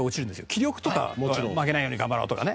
気力とかは負けないように頑張ろうとかね。